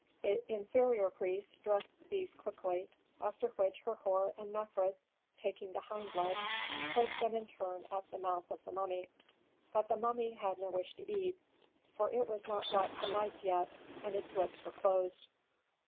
The inferior priests dressed the beasts quickly, after which Herhor and Mefres, taking the hind legs, placed them in turn at the mouth of the mummy. But the mummy had no wish to eat, for it was not brought to life yet, and its lips were closed.